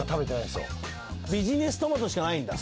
ビジネストマトしかないんだ。